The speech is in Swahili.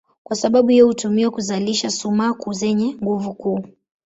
Kwa sababu hiyo hutumiwa kuzalisha sumaku zenye nguvu kuu.